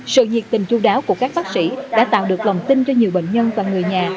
sự nhiệt tình chú đáo của các bác sĩ đã tạo được lòng tin cho nhiều bệnh nhân và người nhà